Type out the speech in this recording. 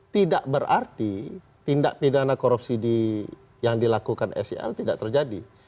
tidak berarti tindak pidana korupsi yang dilakukan sel tidak terjadi